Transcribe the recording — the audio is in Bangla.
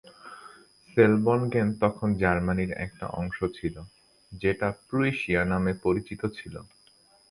সেলবনগেন তখন জার্মানির একটা অংশ ছিল, যেটা পূর্ব প্রুশিয়া নামে পরিচিত ছিল।